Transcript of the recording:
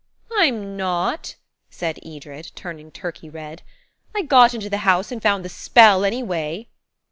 "I'm not," said Edred, turning turkey red. "I got into the house and found the spell, anyway."